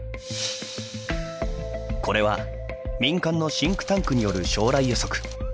これは民間のシンクタンクによる将来予測。